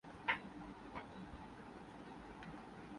تو پھر استخراجی منطق کا اطلاق بھی کیا جا سکتا ہے۔